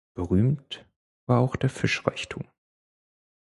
Berühmt war auch der Fischreichtum.